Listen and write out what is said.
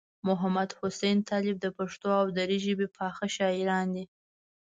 محمدحسین طالب د پښتو او دري ژبې پاخه شاعران دي.